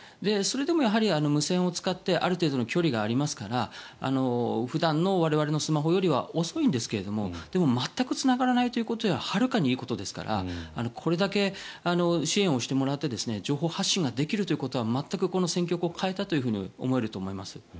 それでも、やはり無線を使ってある程度の距離がありますから普段の我々のスマホよりは遅いんですが全くつながらないことよりははるかにいいことですからこれだけ支援をしてもらって情報発信ができるということは全くこの戦況を変えたといえると思います。